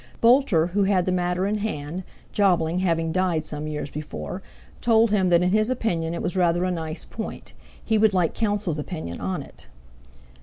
Boulter, who had the matter in hand, Jobling having died some years before, told him that in his opinion it was rather a nice point; he would like counsel's opinion on it.